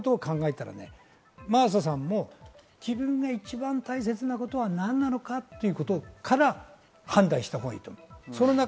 真麻さんも自分が一番大切なことは何なのかということから、判断したほうがいいと思います。